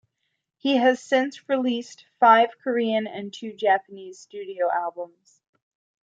He has since released five Korean and two Japanese studio albums.